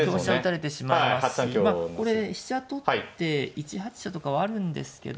これで飛車取って１八飛車とかはあるんですけど。